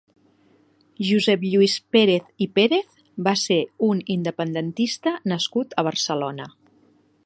Josep Lluís Pérez i Pérez va ser un independentista nascut a Barcelona.